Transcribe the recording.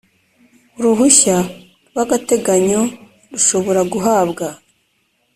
uruhushya rwagateganyo rushobora guhabwa